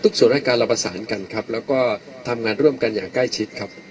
ส่วนรายการเราประสานกันครับแล้วก็ทำงานร่วมกันอย่างใกล้ชิดครับ